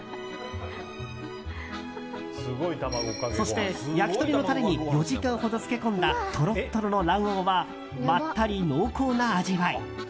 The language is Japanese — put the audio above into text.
そして焼き鳥のタレに４時間ほど漬け込んだとろっとろの卵黄はまったり濃厚な味わい。